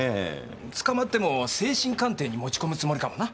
捕まっても精神鑑定に持ち込むつもりかもな。